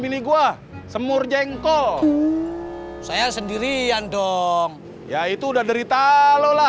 ini gua semur jengkol saya sendirian dong ya itu udah derita lho lah hahaha